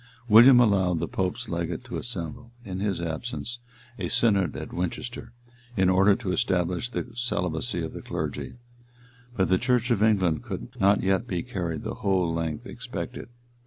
William allowed the pope's legate to assemble, in his absence a synod at Winchester, in order to establish the celibacy of the clergy; but the church of England could not yet be carried the whole length expected.